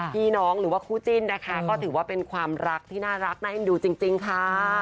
หรือว่าคู่จิ้นนะคะก็ถือว่าเป็นความรักที่น่ารักน่าเอ็นดูจริงค่ะ